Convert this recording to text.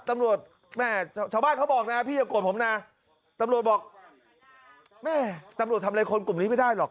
ตำรวจแม่ชาวบ้านเขาบอกนะพี่อย่าโกรธผมนะตำรวจบอกแม่ตำรวจทำอะไรคนกลุ่มนี้ไม่ได้หรอก